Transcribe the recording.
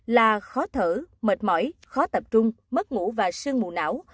là khó thở mệt mỏi khó tập trung mất ngủ và sương mù não